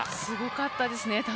すごかったですね。